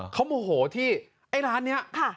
เขาโมโหที่ไอ้ร้านนี้